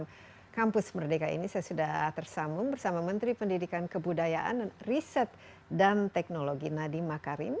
dalam kampus merdeka ini saya sudah tersambung bersama menteri pendidikan kebudayaan riset dan teknologi nadiem makarim